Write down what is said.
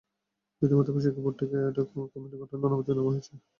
বিধি মোতাবেক শিক্ষা বোর্ড থেকে অ্যাডহক কমিটি গঠনের অনুমতি নেওয়া হয়েছে।